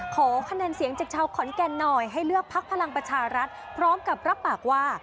ขอคะแนนเสียงจากชาวขอนแก่นหน่อยให้เลือกพักพลังประชารัฐพร้อมกับรับปากว่า